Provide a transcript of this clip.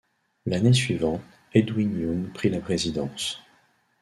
L'année suivante, Edwin Young prit la présidence.